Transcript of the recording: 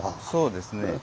そうですね。